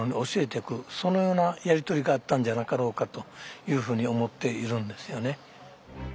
そのようなやり取りがあったんじゃなかろうかというふうに思っているんですよね。